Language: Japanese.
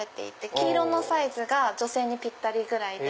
黄色のサイズが女性にぴったりぐらいで。